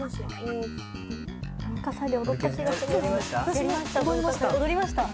私も踊りました。